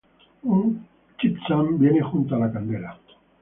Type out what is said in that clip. Ut-chipzan, vienen junto a la candela.